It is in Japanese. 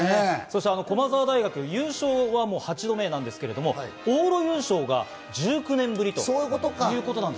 駒澤大学、優勝は８度目なんですけれども、往路優勝が１９年ぶりということなんです。